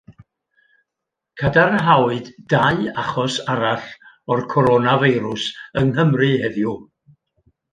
Cadarnhawyd dau achos arall o'r coronafeirws yng Nghymru heddiw.